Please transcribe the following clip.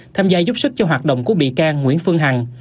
tham gia giúp sức cho hoạt động của bị can nguyễn phương hằng